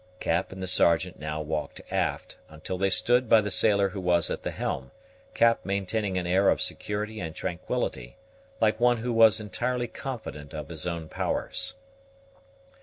Cap and the Sergeant now walked aft, until they stood by the sailor who was at the helm, Cap maintaining an air of security and tranquillity, like one who was entirely confident of his own powers.